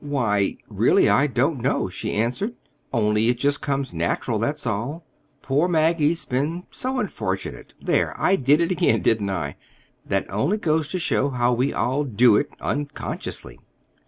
"Why, really, I don't know," she answered, "only it just comes natural, that's all. Poor Maggie's been so unfortunate. There! I did it again, didn't I? That only goes to show how we all do it, unconsciously."